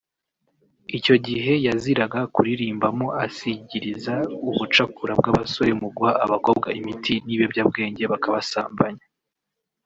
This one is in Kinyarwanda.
Icyo gihe yaziraga kuririmbamo asigiriza ubucakura bw’abasore mu guha abakobwa imiti n’ibiyobyabwenge bakasambanya